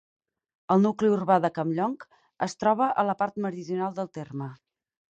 El nucli urbà de Campllong es troba a la part meridional del terme.